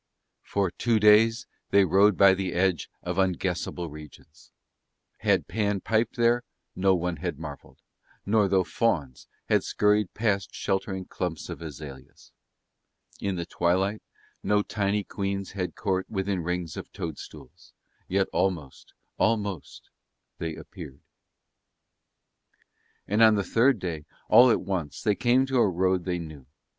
For two days they rode by the edge of unguessable regions. Had Pan piped there no one had marvelled, nor though fauns had scurried past sheltering clumps of azaleas. In the twilight no tiny queens had court within rings of toadstools: yet almost, almost they appeared. And on the third day all at once they came to a road they knew.